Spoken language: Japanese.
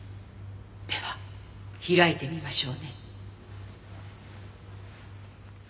では開いてみましょうね。